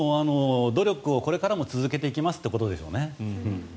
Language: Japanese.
努力をこれからも続けていきますということでしょうね。